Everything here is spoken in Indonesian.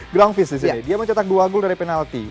grandfist disini dia mencetak dua goal dari penalti